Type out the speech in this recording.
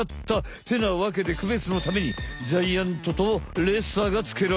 ってなわけでくべつのためにジャイアントとレッサーがつけられた。